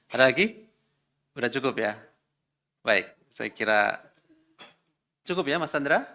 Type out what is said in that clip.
ada lagi sudah cukup ya baik saya kira cukup ya mas chandra